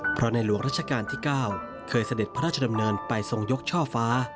เพราะในหลวงราชการที่๙เคยเสด็จพระราชดำเนินไปทรงยกช่อฟ้า